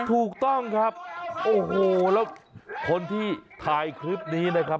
ถูกต้องครับโอ้โหแล้วคนที่ถ่ายคลิปนี้นะครับ